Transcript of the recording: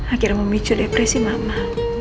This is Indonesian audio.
akhirnya memicu depresi mama